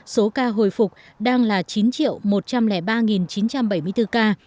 số ca hồi phục đang là chín một trăm linh ba chín trăm bảy mươi bốn ca